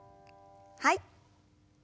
はい。